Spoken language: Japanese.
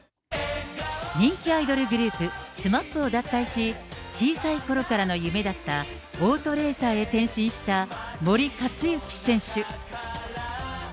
人気アイドルグループ、ＳＭＡＰを脱退し、小さいころからの夢だったオートレーサーへ転身した森且行選手。